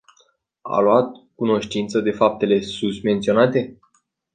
A luat cunoștință de faptele susmenționate?